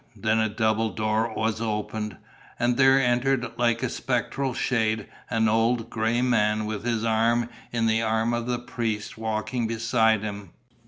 Then a double door was opened. And there entered like a spectral shade an old, grey man, with his arm in the arm of the priest walking beside him.